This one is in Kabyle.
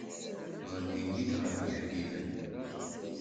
Ɣenni-yi-d ɣef yeḥbiben